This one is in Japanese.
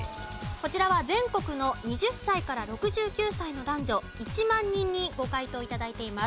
こちらは全国の２０歳から６９歳の男女１万人にご回答頂いています。